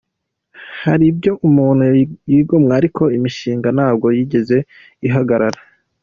Hari ibyo umuntu yigomwa ariko imishinga ntabwo yigeze ihagarara.